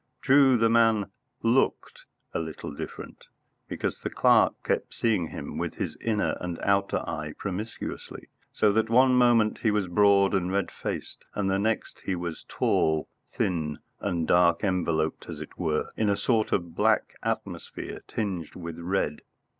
True, the man looked a little different, because the clerk kept seeing him with his inner and outer eye promiscuously, so that one moment he was broad and red faced, and the next he was tall, thin, and dark, enveloped, as it were, in a sort of black atmosphere tinged with red.